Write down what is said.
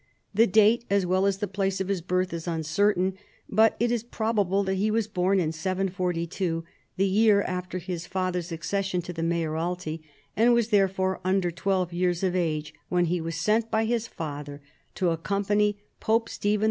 The date, as well as the place of his birth, is uncertain, but it is probable that he was born in 742, the year after his father's accession to the mayoralty, and was therefore under twelve years of age when he was sent by his father to accompany Pope Stephen II.